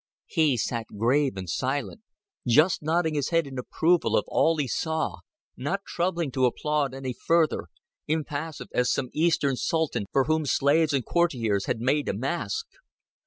He sat grave and silent just nodding his head in approval of all he saw, not troubling to applaud any further, impassive as some Eastern sultan for whom slaves and courtiers had made a mask.